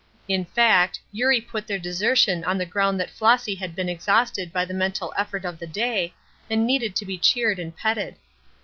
In fact, Eurie put their desertion on the ground that Flossy had been exhausted by the mental effort of the day, and needed to be cheered and petted.